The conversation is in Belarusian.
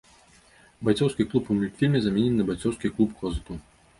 Байцоўскі клуб у мультфільме заменены на байцоўскі клуб козыту.